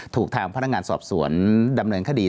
ถูกทางพนักงานสอบสวนดำเนินคดี